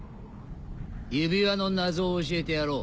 指輪の謎を教えてやろう。